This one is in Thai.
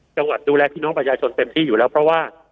จังหวัดดูแลพี่น้องประชาชนเต็มที่อยู่แล้วเพราะว่า